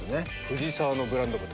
藤沢のブランド豚。